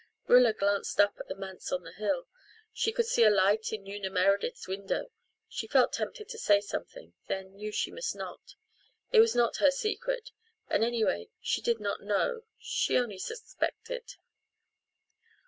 Rilla glanced up at the Manse on the hill. She could see a light in Una Meredith's window. She felt tempted to say something then she knew she must not. It was not her secret: and, anyway, she did not know she only suspected.